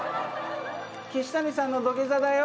岸谷さんの土下座だよ。